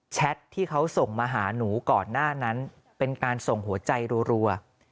ที่เขาส่งมาหาหนูก่อนหน้านั้นเป็นการส่งหัวใจรัว